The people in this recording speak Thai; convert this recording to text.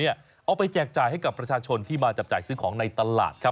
เอาไปแจกจ่ายให้กับประชาชนที่มาจับจ่ายซื้อของในตลาดครับ